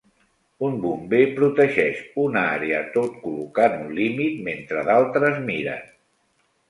Un bomber protegeix una àrea tot col·locant un límit mentre d'altres miren.